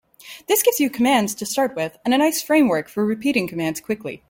This gives you commands to start with and a nice framework for repeating commands quickly.